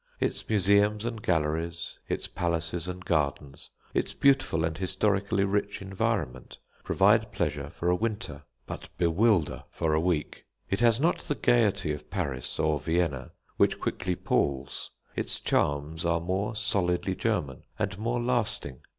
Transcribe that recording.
Its museums and galleries, its palaces and gardens, its beautiful and historically rich environment, provide pleasure for a winter, but bewilder for a week. It has not the gaiety of Paris or Vienna, which quickly palls; its charms are more solidly German, and more lasting.